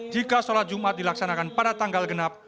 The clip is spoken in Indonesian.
jika sholat jumat dilaksanakan pada tanggal genap